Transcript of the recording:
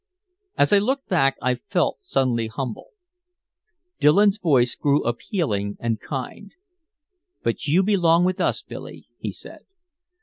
As I looked back I felt suddenly humble. Dillon's voice grew appealing and kind. "But you belong with us, Billy," he said.